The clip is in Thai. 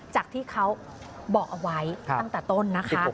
จากที่เขาบอกเอาไว้ตั้งแต่ต้นนะคะ